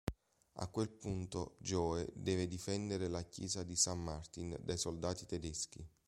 A quel punto Joe deve difendere la chiesa di St. Martin dai soldati tedeschi.